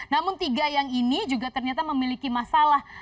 namun tiga yang ini juga ternyata memiliki masalah